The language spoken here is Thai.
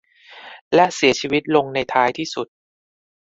และเสียชีวิตลงในท้ายที่สุด